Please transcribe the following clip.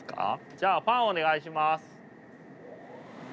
じゃあファンお願いします。